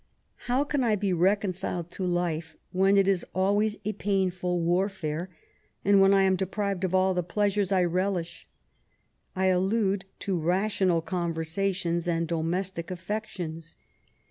How can I be reconciled to life, when it is always a painful warfare, and when I am deprived of all the pleasures I relish ? I allude to rational conversations and domestic affections.